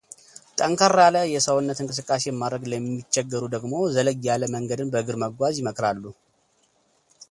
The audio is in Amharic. ጠንከር ያለ የሰውነት እንቅስቃሴን ማድረግ ለሚቸገሩ ደግሞ ዘለግ ያለ መንገድን በእግር መጓዝ ይመክራሉ።